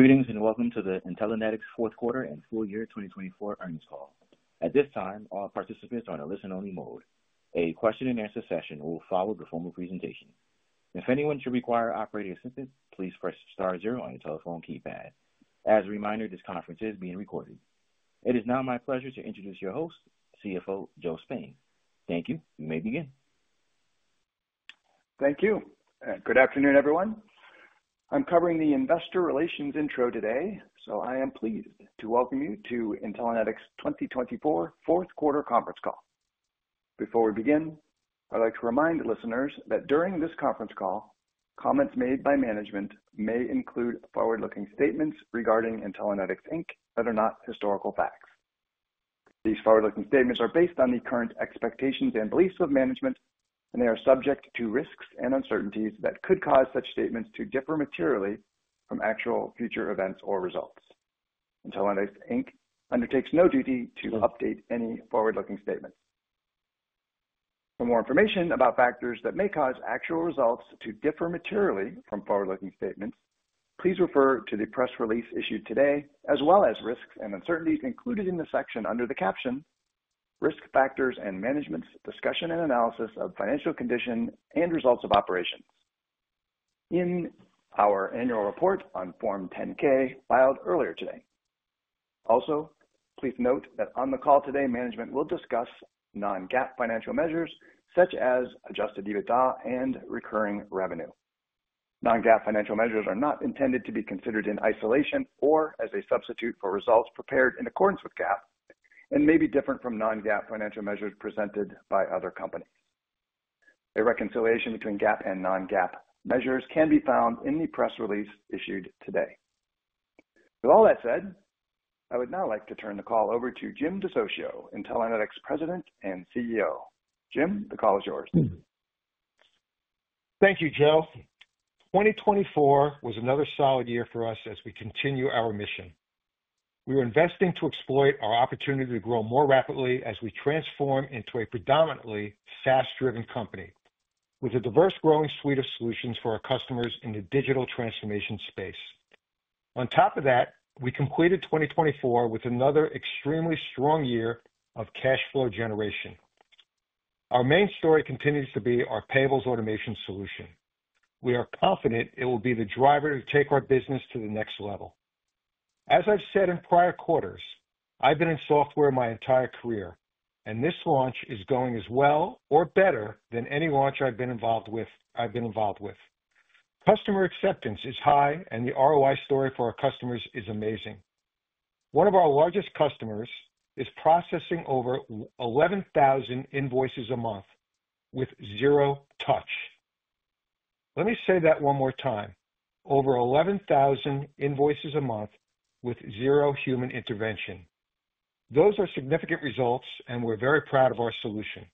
Greetings and welcome to the Intellinetics Fourth Quarter and Full Year 2024 Earnings Call. At this time, all participants are in a listen-only mode. A question-and-answer session will follow the formal presentation. If anyone should require operator assistance, please press star zero on your telephone keypad. As a reminder, this conference is being recorded. It is now my pleasure to introduce your host, CFO Joe Spain. Thank you. You may begin. Thank you. Good afternoon, everyone. I'm covering the investor relations intro today, so I am pleased to welcome you to Intellinetics 2024 Fourth Quarter Conference Call. Before we begin, I'd like to remind listeners that during this conference call, comments made by management may include forward-looking statements regarding Intellinetics that are not historical facts. These forward-looking statements are based on the current expectations and beliefs of management, and they are subject to risks and uncertainties that could cause such statements to differ materially from actual future events or results. Intellinetics undertakes no duty to update any forward-looking statements. For more information about factors that may cause actual results to differ materially from forward-looking statements, please refer to the press release issued today, as well as risks and uncertainties included in the section under the caption, "Risk Factors and Management's Discussion and Analysis of Financial Condition and Results of Operations," in our annual report on Form 10-K filed earlier today. Also, please note that on the call today, management will discuss non-GAAP financial measures such as adjusted EBITDA and recurring revenue. Non-GAAP financial measures are not intended to be considered in isolation or as a substitute for results prepared in accordance with GAAP and may be different from non-GAAP financial measures presented by other companies. A reconciliation between GAAP and non-GAAP measures can be found in the press release issued today. With all that said, I would now like to turn the call over to Jim DeSocio, Intellinetics President and CEO. Jim, the call is yours. Thank you, Joe. 2024 was another solid year for us as we continue our mission. We are investing to exploit our opportunity to grow more rapidly as we transform into a predominantly SaaS-driven company with a diverse, growing suite of solutions for our customers in the digital transformation space. On top of that, we completed 2024 with another extremely strong year of cash flow generation. Our main story continues to be our payables automation solution. We are confident it will be the driver to take our business to the next level. As I've said in prior quarters, I've been in software my entire career, and this launch is going as well or better than any launch I've been involved with. Customer acceptance is high, and the ROI story for our customers is amazing. One of our largest customers is processing over 11,000 invoices a month with zero touch. Let me say that one more time: over 11,000 invoices a month with zero human intervention. Those are significant results, and we're very proud of our solution.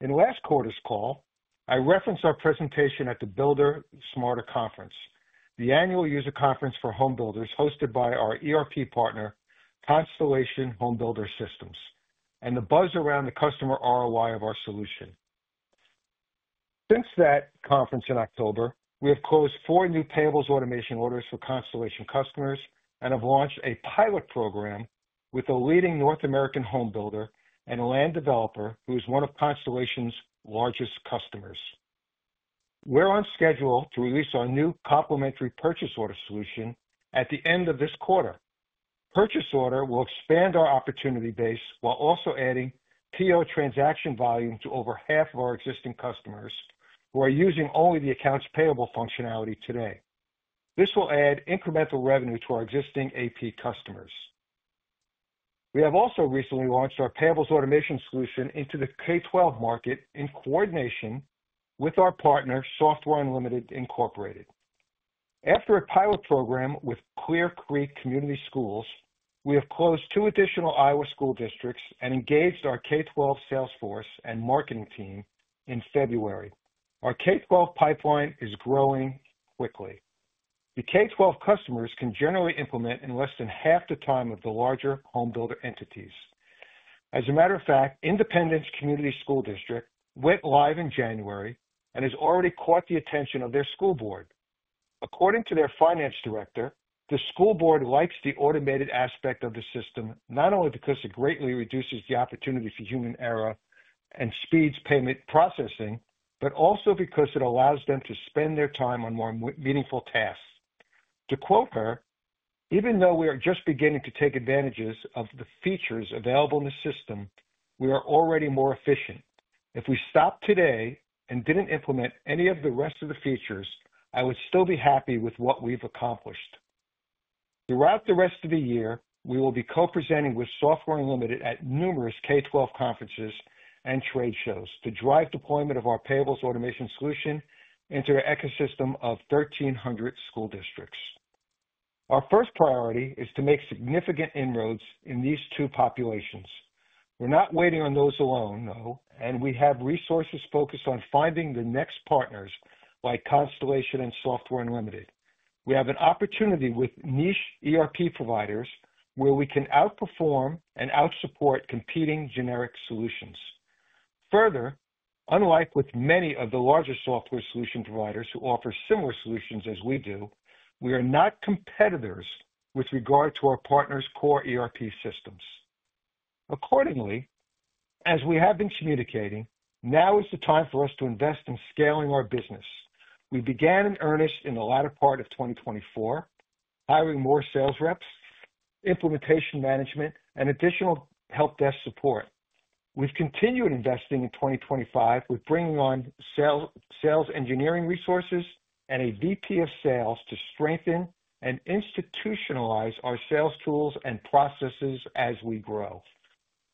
In last quarter's call, I referenced our presentation at the Build Smarter Conference, the annual user conference for home builders hosted by our ERP partner, Constellation HomeBuilder Systems, and the buzz around the customer ROI of our solution. Since that conference in October, we have closed four new payables automation orders for Constellation customers and have launched a pilot program with a leading North American home builder and land developer who is one of Constellation's largest customers. We're on schedule to release our new complementary purchase order solution at the end of this quarter. Purchase order will expand our opportunity base while also adding PO transaction volume to over half of our existing customers who are using only the accounts payable functionality today. This will add incremental revenue to our existing AP customers. We have also recently launched our payables automation solution into the K-12 market in coordination with our partner, Software Unlimited Incorporated. After a pilot program with Clear Creek Community Schools, we have closed two additional Iowa school districts and engaged our K-12 sales force and marketing team in February. Our K-12 pipeline is growing quickly. The K-12 customers can generally implement in less than half the time of the larger home builder entities. As a matter of fact, Independence Community School District went live in January and has already caught the attention of their school board. According to their finance director, the school board likes the automated aspect of the system not only because it greatly reduces the opportunity for human error and speeds payment processing, but also because it allows them to spend their time on more meaningful tasks. To quote her, "Even though we are just beginning to take advantages of the features available in the system, we are already more efficient. If we stopped today and didn't implement any of the rest of the features, I would still be happy with what we've accomplished." Throughout the rest of the year, we will be co-presenting with Software Unlimited at numerous K-12 conferences and trade shows to drive deployment of our payables automation solution into an ecosystem of 1,300 school districts. Our first priority is to make significant inroads in these two populations. We're not waiting on those alone, though, and we have resources focused on finding the next partners like Constellation and Software Unlimited. We have an opportunity with niche ERP providers where we can outperform and outsupport competing generic solutions. Further, unlike with many of the larger software solution providers who offer similar solutions as we do, we are not competitors with regard to our partners' core ERP systems. Accordingly, as we have been communicating, now is the time for us to invest in scaling our business. We began in earnest in the latter part of 2024, hiring more sales reps, implementation management, and additional help desk support. We've continued investing in 2025 with bringing on sales engineering resources and a VP of Sales to strengthen and institutionalize our sales tools and processes as we grow.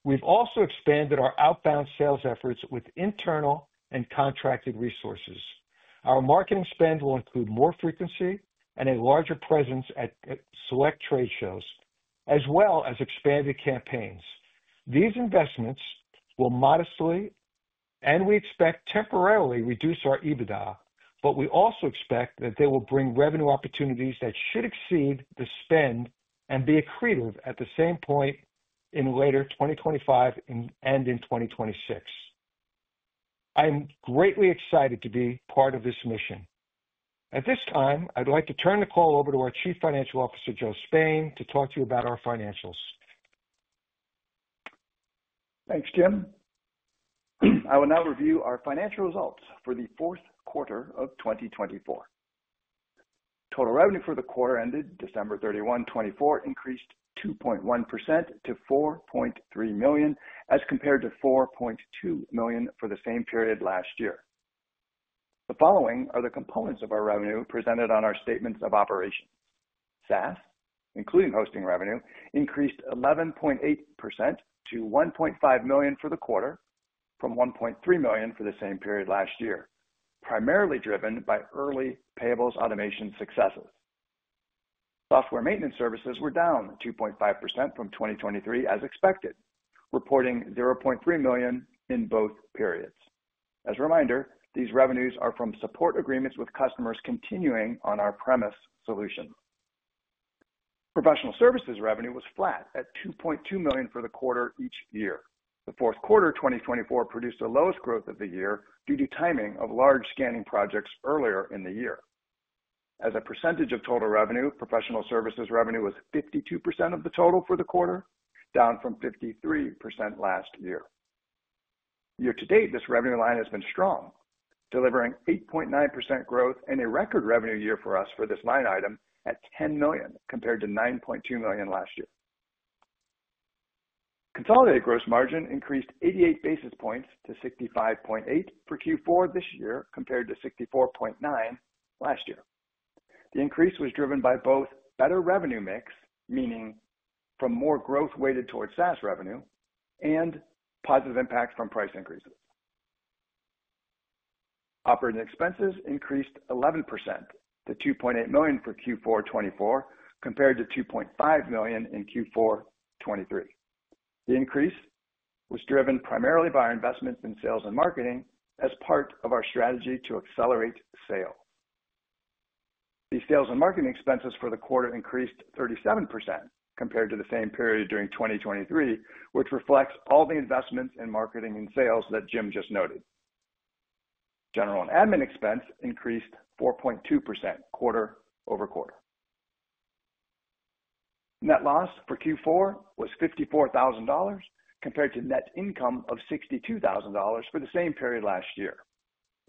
We've also expanded our outbound sales efforts with internal and contracted resources. Our marketing spend will include more frequency and a larger presence at select trade shows, as well as expanded campaigns. These investments will modestly, and we expect temporarily, reduce our EBITDA, but we also expect that they will bring revenue opportunities that should exceed the spend and be accretive at the same point in later 2025 and in 2026. I am greatly excited to be part of this mission. At this time, I'd like to turn the call over to our Chief Financial Officer, Joe Spain, to talk to you about our financials. Thanks, Jim. I will now review our financial results for the Fourth Quarter of 2024. Total revenue for the quarter ended December 31, 2024, increased 2.1% to $4.3 million as compared to $4.2 million for the same period last year. The following are the components of our revenue presented on our statements of operations. SaaS, including hosting revenue, increased 11.8% to $1.5 million for the quarter from $1.3 million for the same period last year, primarily driven by early payables automation successes. Software maintenance services were down 2.5% from 2023, as expected, reporting $0.3 million in both periods. As a reminder, these revenues are from support agreements with customers continuing on our premise solution. Professional services revenue was flat at $2.2 million for the quarter each year. The Fourth Quarter of 2024 produced the lowest growth of the year due to timing of large scanning projects earlier in the year. As a percentage of total revenue, professional services revenue was 52% of the total for the quarter, down from 53% last year. Year to date, this revenue line has been strong, delivering 8.9% growth and a record revenue year for us for this line item at $10 million compared to $9.2 million last year. Consolidated gross margin increased 88 basis points to 65.8% for Q4 this year compared to 64.9% last year. The increase was driven by both better revenue mix, meaning from more growth weighted towards SaaS revenue, and positive impact from price increases. Operating expenses increased 11% to $2.8 million for Q4 2024 compared to $2.5 million in Q4 2023. The increase was driven primarily by our investments in sales and marketing as part of our strategy to accelerate sales. The sales and marketing expenses for the quarter increased 37% compared to the same period during 2023, which reflects all the investments in marketing and sales that Jim just noted. General and admin expense increased 4.2% quarter over quarter. Net loss for Q4 was $54,000 compared to net income of $62,000 for the same period last year,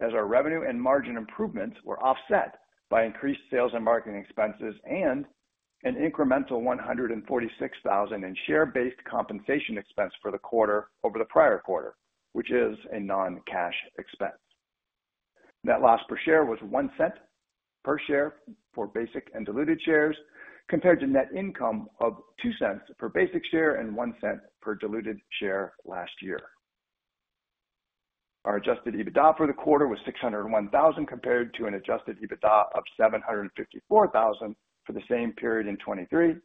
as our revenue and margin improvements were offset by increased sales and marketing expenses and an incremental $146,000 in share-based compensation expense for the quarter over the prior quarter, which is a non-cash expense. Net loss per share was one cent per share for basic and diluted shares compared to net income of two cents per basic share and one cent per diluted share last year. Our adjusted EBITDA for the quarter was $601,000 compared to an adjusted EBITDA of $754,000 for the same period in 2023,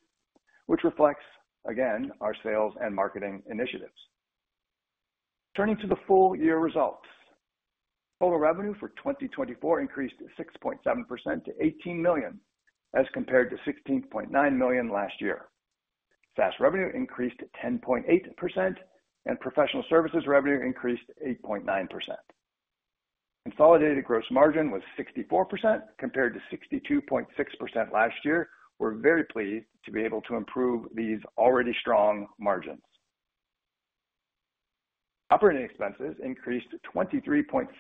which reflects, again, our sales and marketing initiatives. Turning to the full year results, total revenue for 2024 increased 6.7% to $18 million as compared to $16.9 million last year. SaaS revenue increased 10.8%, and professional services revenue increased 8.9%. Consolidated gross margin was 64% compared to 62.6% last year. We're very pleased to be able to improve these already strong margins. Operating expenses increased 23.7%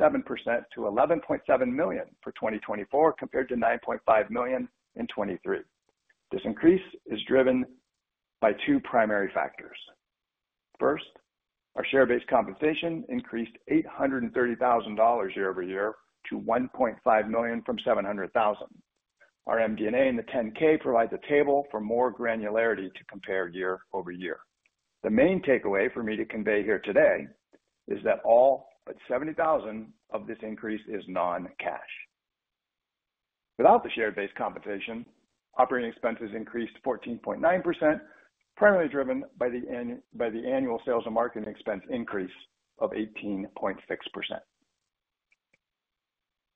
to $11.7 million for 2024 compared to $9.5 million in 2023. This increase is driven by two primary factors. First, our share-based compensation increased $830,000 year over year to $1.5 million from $700,000. Our MD&A in the 10-K provides a table for more granularity to compare year over year. The main takeaway for me to convey here today is that all but $70,000 of this increase is non-cash. Without the share-based compensation, operating expenses increased 14.9%, primarily driven by the annual sales and marketing expense increase of 18.6%.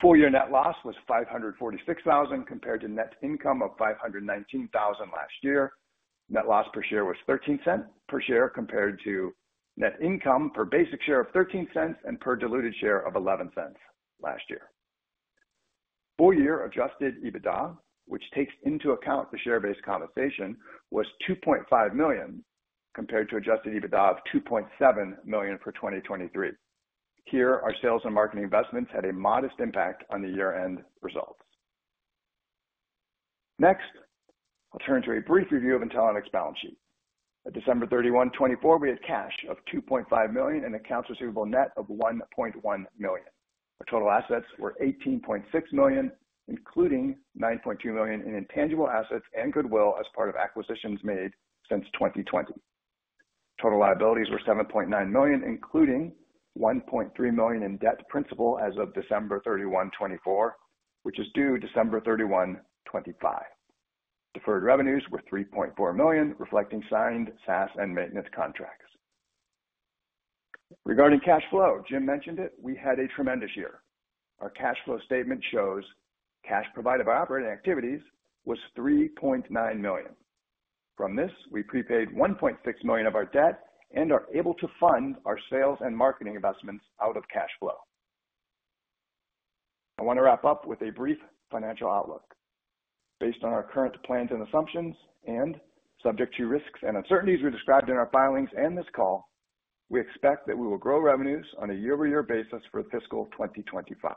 Full year net loss was $546,000 compared to net income of $519,000 last year. Net loss per share was $0.13 per share compared to net income per basic share of $0.13 and per diluted share of $0.11 last year. Full year adjusted EBITDA, which takes into account the share-based compensation, was $2.5 million compared to adjusted EBITDA of $2.7 million for 2023. Here, our sales and marketing investments had a modest impact on the year-end results. Next, I'll turn to a brief review of Intellinetics balance sheet. At December 31, 2024, we had cash of $2.5 million and accounts receivable net of $1.1 million. Our total assets were $18.6 million, including $9.2 million in intangible assets and goodwill as part of acquisitions made since 2020. Total liabilities were $7.9 million, including $1.3 million in debt principal as of December 31, 2024, which is due December 31, 2025. Deferred revenues were $3.4 million, reflecting signed SaaS and maintenance contracts. Regarding cash flow, Jim mentioned it, we had a tremendous year. Our cash flow statement shows cash provided by operating activities was $3.9 million. From this, we prepaid $1.6 million of our debt and are able to fund our sales and marketing investments out of cash flow. I want to wrap up with a brief financial outlook. Based on our current plans and assumptions and subject to risks and uncertainties we described in our filings and this call, we expect that we will grow revenues on a year-over-year basis for fiscal 2025.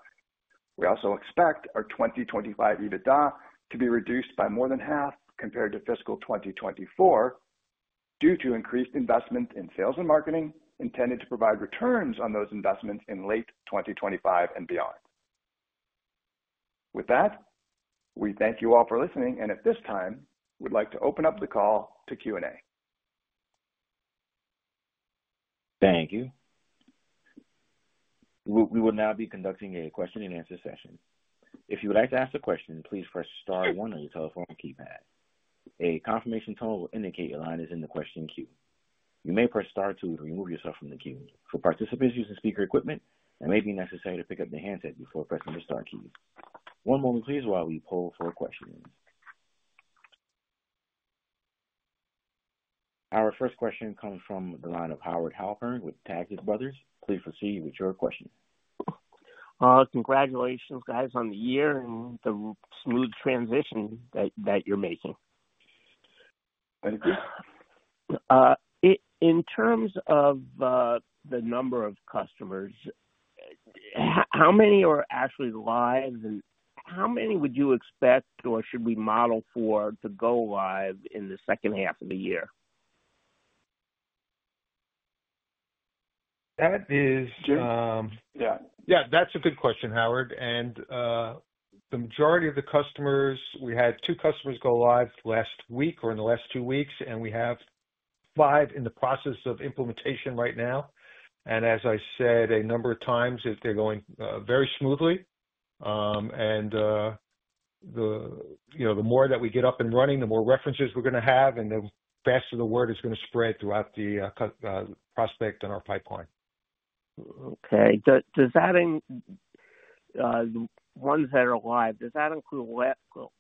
We also expect our 2025 EBITDA to be reduced by more than half compared to fiscal 2024 due to increased investment in sales and marketing intended to provide returns on those investments in late 2025 and beyond. With that, we thank you all for listening, and at this time, we'd like to open up the call to Q&A. Thank you. We will now be conducting a question-and-answer session. If you would like to ask a question, please press Star one on your telephone keypad. A confirmation tone will indicate your line is in the question queue. You may press Star two to remove yourself from the queue. For participants using speaker equipment, it may be necessary to pick up the handset before pressing the Star key. One moment, please, while we pull for questions. Our first question comes from the line of Howard Halpern with Taglich Brothers. Please proceed with your question. Congratulations, guys, on the year and the smooth transition that you're making. Thank you. In terms of the number of customers, how many are actually live and how many would you expect or should we model for to go live in the second half of the year? That is. Jim. Yeah, that's a good question, Howard. The majority of the customers, we had two customers go live last week or in the last two weeks, and we have five in the process of implementation right now. As I said a number of times, they're going very smoothly. The more that we get up and running, the more references we're going to have, and the faster the word is going to spread throughout the prospect and our pipeline. Okay. Does that include the ones that are live? Does that include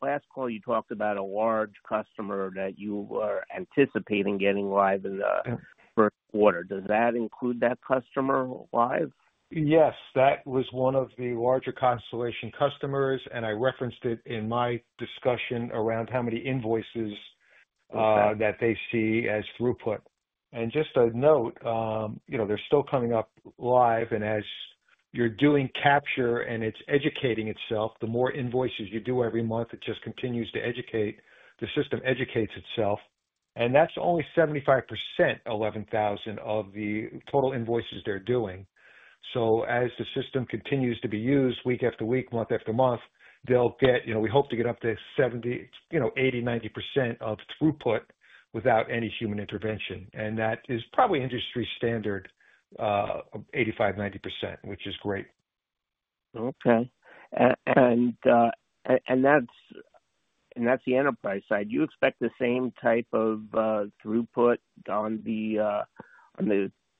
last call you talked about a large customer that you were anticipating getting live in the First Quarter. Does that include that customer live? Yes. That was one of the larger Constellation customers, and I referenced it in my discussion around how many invoices that they see as throughput. Just a note, they're still coming up live, and as you're doing capture and it's educating itself, the more invoices you do every month, it just continues to educate. The system educates itself. That is only 75%, 11,000 of the total invoices they're doing. As the system continues to be used week after week, month after month, we hope to get up to 70-80-90% of throughput without any human intervention. That is probably industry standard of 85-90%, which is great. Okay. That's the enterprise side. Do you expect the same type of throughput on the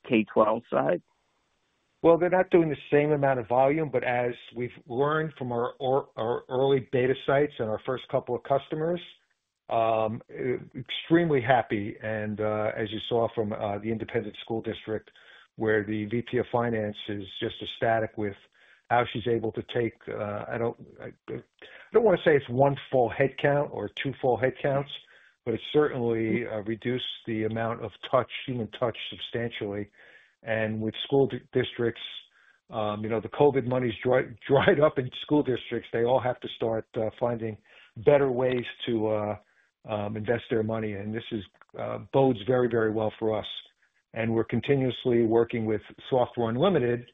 K-12 side? They're not doing the same amount of volume, but as we've learned from our early beta sites and our first couple of customers, extremely happy. As you saw from the Independence Community School District, where the VP of finance is just ecstatic with how she's able to take—I don't want to say it's one full headcount or two full headcounts, but it certainly reduced the amount of touch, human touch substantially. With school districts, the COVID money's dried up in school districts. They all have to start finding better ways to invest their money. This bodes very, very well for us. We're continuously working with Software Unlimited.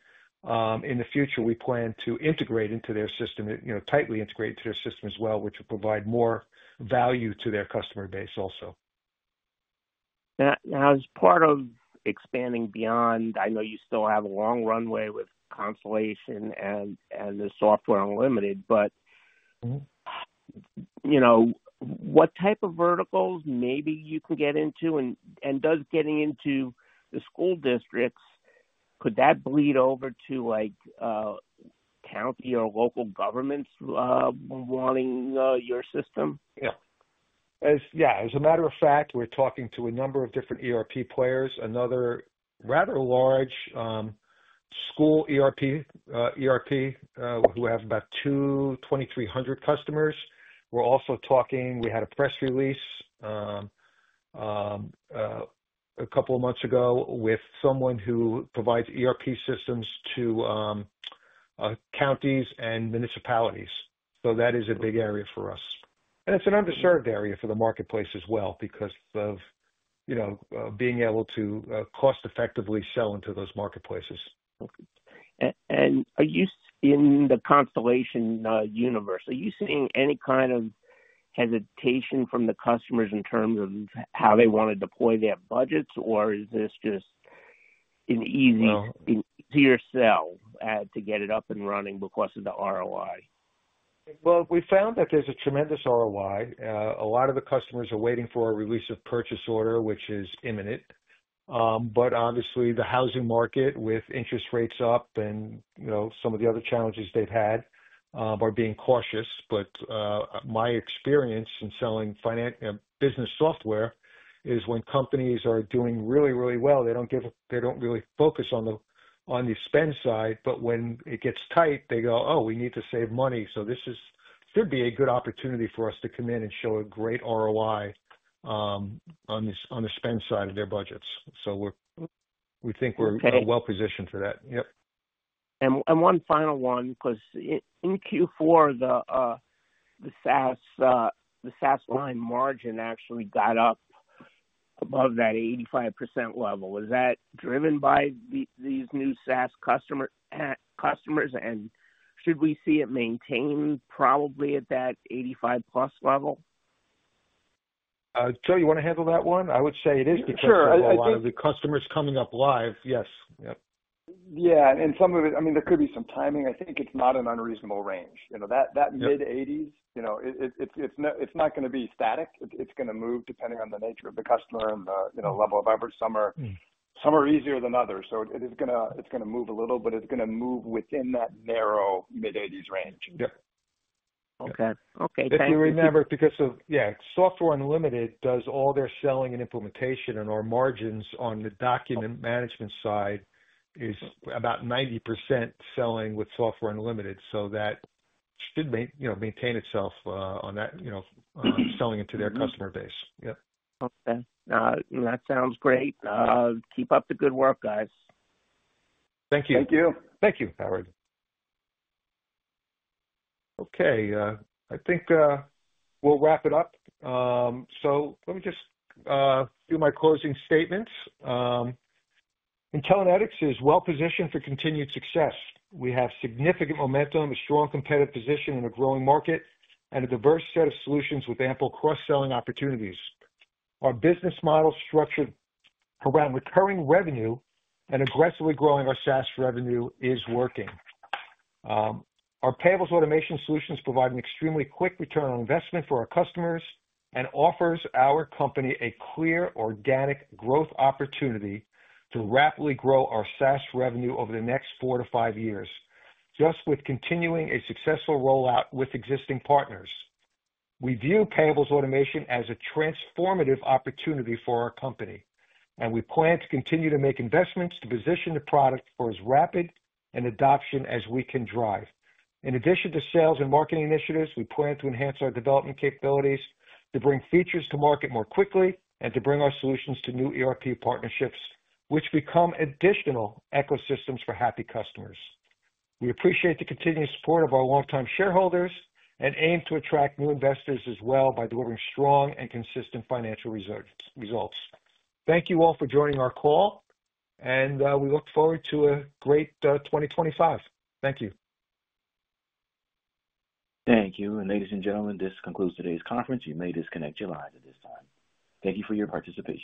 In the future, we plan to integrate into their system, tightly integrate to their system as well, which will provide more value to their customer base also. Now, as part of expanding beyond, I know you still have a long runway with Constellation and Software Unlimited, but what type of verticals maybe you can get into? And does getting into the school districts, could that bleed over to county or local governments wanting your system? Yeah. Yeah. As a matter of fact, we're talking to a number of different ERP players. Another rather large school ERP who have about 2,300 customers. We're also talking—we had a press release a couple of months ago with someone who provides ERP systems to counties and municipalities. That is a big area for us. It is an underserved area for the marketplace as well because of being able to cost-effectively sell into those marketplaces. In the Constellation universe, are you seeing any kind of hesitation from the customers in terms of how they want to deploy their budgets, or is this just an easier sell to get it up and running because of the ROI? We found that there's a tremendous ROI. A lot of the customers are waiting for a release of purchase order, which is imminent. Obviously, the housing market with interest rates up and some of the other challenges they've had are being cautious. My experience in selling business software is when companies are doing really, really well, they don't really focus on the spend side, but when it gets tight, they go, "Oh, we need to save money." This should be a good opportunity for us to come in and show a great ROI on the spend side of their budgets. We think we're well positioned for that. Yep. One final one, because in Q4, the SaaS line margin actually got up above that 85% level. Is that driven by these new SaaS customers, and should we see it maintained probably at that 85-plus level? Joe, you want to handle that one? I would say it is because a lot of the customers coming up live, yes. Yep. Yeah. And some of it, I mean, there could be some timing. I think it's not an unreasonable range. That mid-80s, it's not going to be static. It's going to move depending on the nature of the customer and the level of effort. Some are easier than others. It is going to move a little, but it's going to move within that narrow mid-80s range. Yep. Okay. Okay. Thank you. If you remember, because of, yeah, Software Unlimited does all their selling and implementation, and our margins on the document management side is about 90% selling with Software Unlimited, so that should maintain itself on that selling into their customer base. Yep. Okay. That sounds great. Keep up the good work, guys. Thank you. Thank you. Thank you, Howard. Okay. I think we'll wrap it up. Let me just do my closing statements. Intellinetics is well positioned for continued success. We have significant momentum, a strong competitive position in a growing market, and a diverse set of solutions with ample cross-selling opportunities. Our business model structured around recurring revenue and aggressively growing our SaaS revenue is working. Our payables automation solutions provide an extremely quick return on investment for our customers and offers our company a clear organic growth opportunity to rapidly grow our SaaS revenue over the next four to five years, just with continuing a successful rollout with existing partners. We view payables automation as a transformative opportunity for our company, and we plan to continue to make investments to position the product for as rapid an adoption as we can drive. In addition to sales and marketing initiatives, we plan to enhance our development capabilities to bring features to market more quickly and to bring our solutions to new ERP partnerships, which become additional ecosystems for happy customers. We appreciate the continued support of our long-time shareholders and aim to attract new investors as well by delivering strong and consistent financial results. Thank you all for joining our call, and we look forward to a great 2025. Thank you. Thank you. Ladies and gentlemen, this concludes today's conference. You may disconnect your lines at this time. Thank you for your participation.